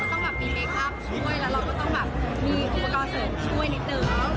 แต่เราก็ต้องมีเมคอัพช่วยและเราก็ต้องมีอุปกรณ์เสริมช่วยนิดหนึ่ง